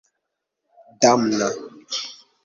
damna